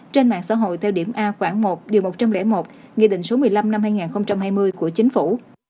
trên mạng xã hội theo điểm a khoảng một điều một trăm linh một nghị định số một mươi năm năm hai nghìn hai mươi của chính phủ